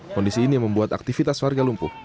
kondisi ini membuat aktivitas warga lumpuh